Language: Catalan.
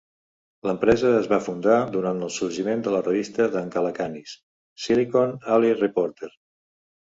L'empresa es va fundar durant el sorgiment de la revista d'en Calacanis "Silicon Alley Reporter".